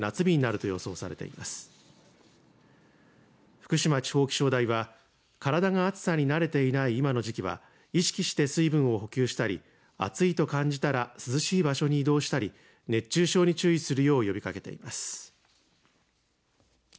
福島地方気象台は体が暑さに慣れていない今の時期は意識して水分を補給したり暑いと感じたら涼しい場所に移動したり熱中症に注意するよう呼びかけています。